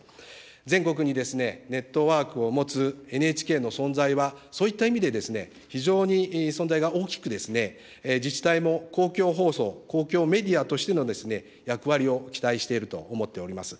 全国にネットワークを持つＮＨＫの存在は、そういった意味で非常に存在が大きく、自治体も公共放送、公共メディアとしての役割を期待していると思っております。